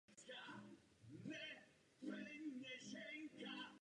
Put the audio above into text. Dnes se jedná o technickou památku.